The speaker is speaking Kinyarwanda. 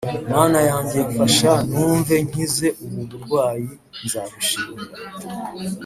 mana yanjye mfasha numve nkize ubu burwayi nzagushimira